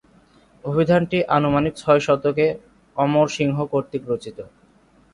অভিধানটি আনুমানিক ছয় শতকে অমর সিংহ কর্তৃক রচিত।